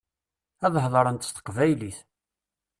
Ad heḍṛent s teqbaylit.